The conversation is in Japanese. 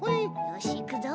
よしいくぞ。